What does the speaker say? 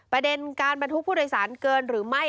ประเด็นการบรรทุกผู้โดยสารเกินหรือไม่